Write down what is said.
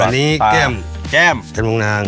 อันนี้แก้มแก้มแก้มพร้อมนาง